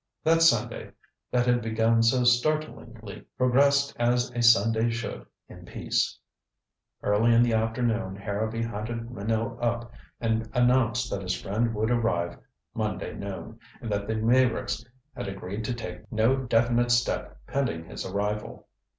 That Sunday that had begun so startlingly progressed as a Sunday should, in peace. Early in the afternoon Harrowby hunted Minot up and announced that his friend would arrive Monday noon, and that the Meyricks had agreed to take no definite step pending his arrival.